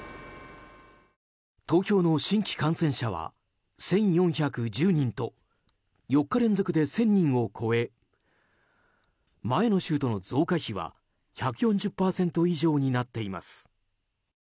東京の新規感染者は１４１０人と４日連続で１０００人を超え前の週との増加比は１４０％以上になっています。